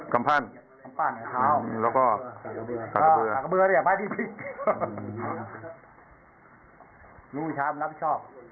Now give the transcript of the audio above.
กำพันธุ์แล้วก็กระเบือ